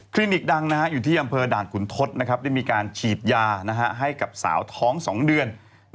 นิกดังอยู่ที่อำเภอด่านขุนทศได้มีการฉีดยาให้กับสาวท้อง๒เดือน